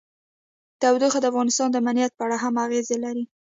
تودوخه د افغانستان د امنیت په اړه هم اغېز لري.